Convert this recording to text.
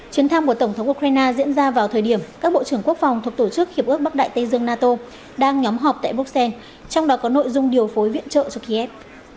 chuyến thăm của tổng thống ukraine diễn ra vào thời điểm các bộ trưởng quốc phòng thuộc tổ chức hiệp ước bắc đại tây dương nato đang nhóm họp tại bruxelles trong đó có nội dung điều phối viện trợ cho kiev